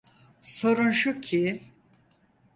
Sorun şu ki…